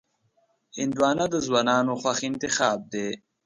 هندوانه د ځوانانو خوښ انتخاب دی.